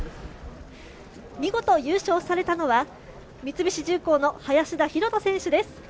見事優勝されたのは、三菱重工の林田洋翔選手です。